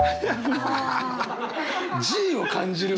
Ｇを感じる文！？